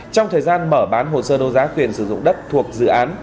trong thời gian mở bán hồ sơ đấu giá quyền sử dụng đất thuộc dự án